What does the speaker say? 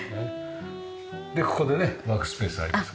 でここでねワークスペースありますね。